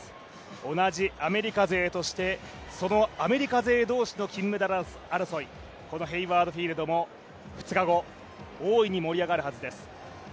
同じアメリカ勢としてアメリカ勢同士の金メダル争い、このヘイワード・フィールドも２日後、大いに盛り上がるはずです。